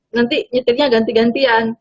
nanti nyetirnya ganti gantian